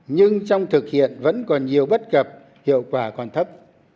nhưng trong thực hiện vẫn còn nhiều bất cập hiệu quả còn thấp